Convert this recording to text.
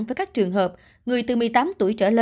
với các trường hợp người từ một mươi tám tuổi trở lên